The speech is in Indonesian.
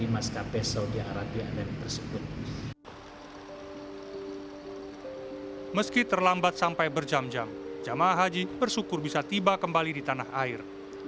meski terlambat sampai berjam jamah haji bersyukur bisa tiba kembali di tanah air